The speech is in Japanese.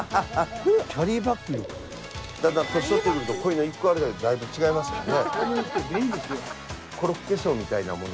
だんだん年取ってくるとこういうの１個あるだけでだいぶ違いますよね。